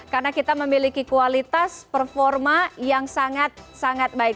karena kita memiliki kualitas performa yang sangat sangat baik